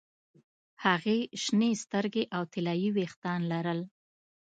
هغې شنې سترګې او طلايي ویښتان لرل